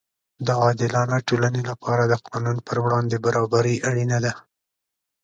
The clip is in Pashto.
د عادلانه ټولنې لپاره د قانون پر وړاندې برابري اړینه ده.